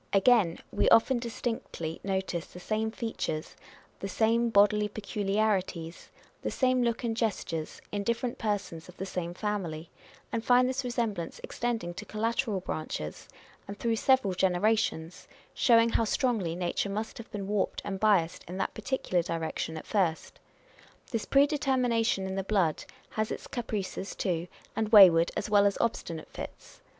On Personal CJiaracter. 325 Again, we often distinctly notice the same features, the same bodily peculiarities, the same look and gestures, in different persons of the same family ; and find this re semblance extending to collateral branches and through several generations, showing how strongly nature must have been warped and biassed in that particular direction at first. This pre determination in the blood has its caprices too, and wayward as well as obstinate fits.